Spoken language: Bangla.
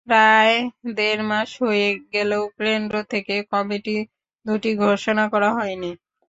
প্রায় দেড় মাস হয়ে গেলেও কেন্দ্র থেকে কমিটি দুটি ঘোষণা করা হয়নি।